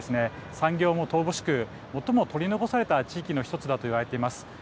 産業も乏しく最も取り残された地域の１つだと言われています。